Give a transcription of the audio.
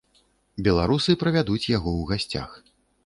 Беларусы правядуць яго ў гасцях.